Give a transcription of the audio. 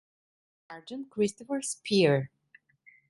Sergeant Christopher Speer.